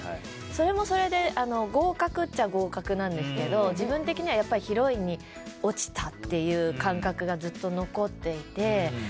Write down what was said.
それもそれで合格っちゃ合格なんですけど自分的にはヒロインに落ちたっていう感覚がずっと残っていて。